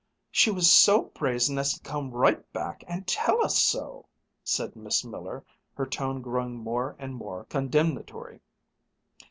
"She was so brazen as to come right back and tell us so," said Miss Miller, her tone growing more and more condemnatory.